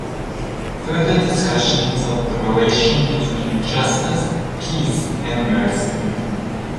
Further discussion of the relation between justice, peace and mercy.